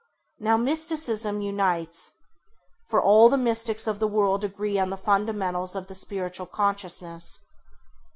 Now Mysticism unites, for all the Mystics of the world agree on the fundamentals of the spiritual consciousness.